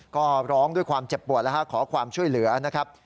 ก็ร้องด้วยความเจ็บปวดแล้วฮะขอความช่วยเหลือนะครับ